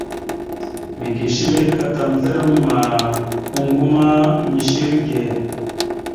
Mege shəlek ata mazlarəma, oŋŋgoŋa ma mishe irəge.